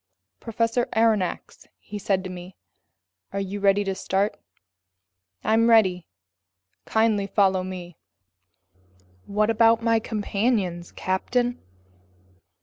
"Professor Aronnax," he said to me, "are you ready to start?" "I'm ready." "Kindly follow me." "What about my companions, captain?"